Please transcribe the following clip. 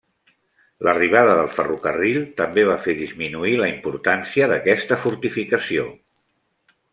L'arribada del ferrocarril també va fer disminuir la importància d'aquesta fortificació.